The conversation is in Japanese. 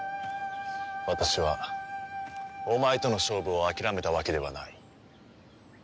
私はお前との勝負を諦めたわけではない。